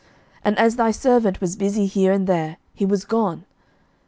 11:020:040 And as thy servant was busy here and there, he was gone.